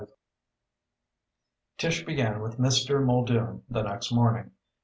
V Tish began with Mr. Muldoon the next morning.